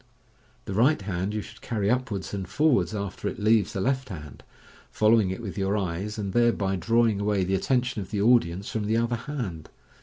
The right hand you should carry upwards and forwards after it leaves the left hand, following it with your eyes, and thereby drawing away the atiention of the audience from the other hand.